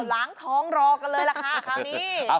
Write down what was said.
ล้างท้องรอกันเลยล่ะค่ะคราวนี้